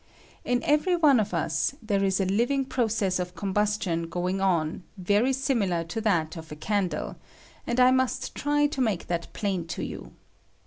In every one of us there is a living process of combustion going on very similar to that of a candle, and I must try to make that plain to you.